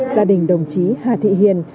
gia đình đồng chí hà thị hiền